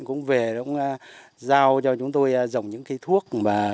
cũng về giao cho chúng tôi dòng những cây thuốc mà